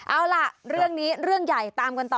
เอาล่ะเรื่องนี้เรื่องใหญ่ตามกันต่อ